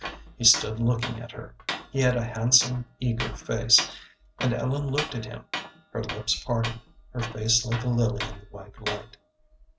He stood looking at her. He had a handsome, eager face, and Ellen looked at him, her lips parted, her face like a lily in the white light.